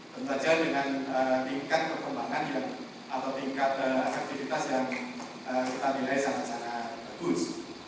terutama dengan tingkat kekembangan atau tingkat efektivitas yang kita miliki sangat sangat bagus